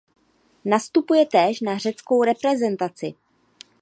Nastupuje též za řeckou reprezentaci.